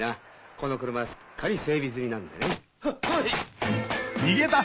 この車はすっかり整備済みなんでね。ははい！